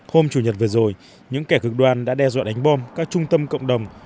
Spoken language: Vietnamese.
hôm chủ nhật vừa rồi những kẻ cực đoan đã đe dọa đánh bom các trung tâm cộng đồng